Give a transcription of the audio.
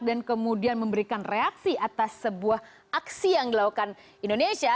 dan kemudian memberikan reaksi atas sebuah aksi yang dilakukan indonesia